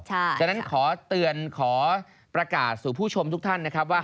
ฉะนั้นขอเตือนขอประกาศสู่ผู้ชมทุกท่านนะครับว่า